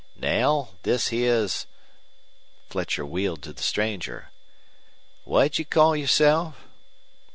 "Knell, this heah's " Fletcher wheeled to the stranger. "What'd you call yourself?"